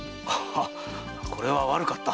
これは悪かった。